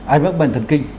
anh mắc bệnh thần kinh